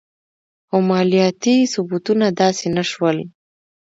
خو مالیاتي ثبتونه داسې نه شول.